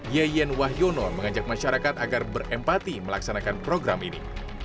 yeyen wahyono mengajak masyarakat agar berempati melaksanakan program ini